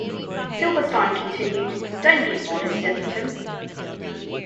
Silberstein continued Don't be modest, Eddington!